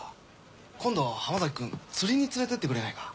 今度浜崎君釣りに連れてってくれないか？